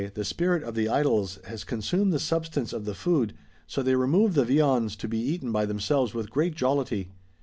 the spirit of the idols lias consumed the substance of the food, so they remove the viands to be eaten by them selves with great jollity.